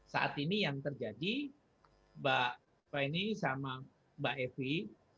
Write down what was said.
saat ini yang terjadi mbak fani sama mbak evi